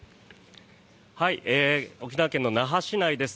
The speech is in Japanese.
沖縄県の那覇市内です。